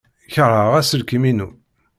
Keṛheɣ aselkim-inu.